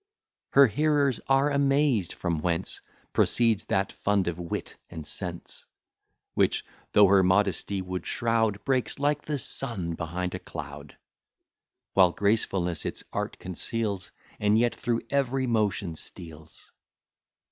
Her hearers are amazed from whence Proceeds that fund of wit and sense; Which, though her modesty would shroud, Breaks like the sun behind a cloud; While gracefulness its art conceals, And yet through every motion steals.